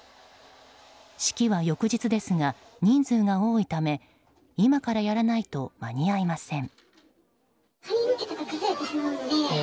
式は翌日ですが人数が多いため今からやらないと間に合いません。